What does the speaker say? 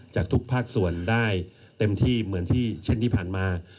จากทุกภาคส่วนได้เต็มที่เหมือนที่เช่นที่ผ่านมา